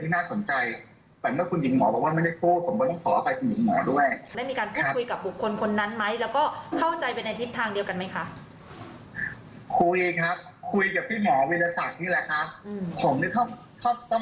คุณคืนกันถ้าคุณหมอบอกว่ามันเป็นความเข้าใจที่ทักขึ้นของผมเอง